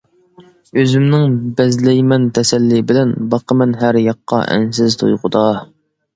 ئۆزۈمنى بەزلەيمەن تەسەللى بىلەن، باقىمەن ھەر ياققا ئەنسىز تۇيغۇدا.